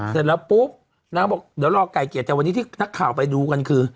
เสร็จแล้วปุ๊บนางก็บอกเดี๋ยวรอไก่เกลียดแต่วันนี้ที่นักข่าวไปดูกันคือ